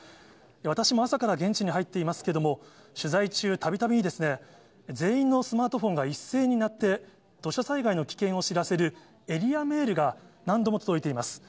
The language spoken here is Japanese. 私も朝から現地に入っていますけれども、取材中、たびたびですね、全員のスマートフォンが一斉に鳴って、土砂災害の危険を知らせるエリアメールが何度も届いています。